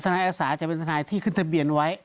แต่ธนาศาสตร์จะเป็นธนาศาสตร์ที่ขึ้นทะเบียนไว้